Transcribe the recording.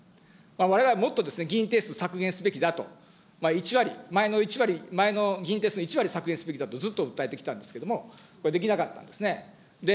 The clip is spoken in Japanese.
われわれもっと議員定数削減すべきだと、１割、前の１割、前の議員定数の１割削減すべきだとずっと訴えてきたんですけれども、できなかったんですね。